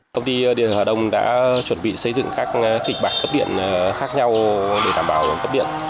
công ty điện hòa đông đã chuẩn bị xây dựng các kịch bạc cấp điện khác nhau để tảm bảo cấp điện